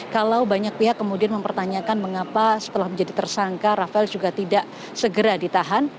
kalau banyak pihak kemudian mempertanyakan mengapa setelah menjadi tersangka rafael juga tidak segera ditahan